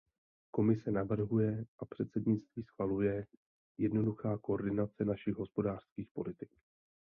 Komise navrhuje a předsednictví schvaluje, jednoduchá koordinace našich hospodářských politik.